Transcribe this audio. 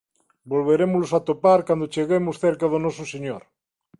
Volverémolos atopar cando cheguemos cerca do Noso Señor.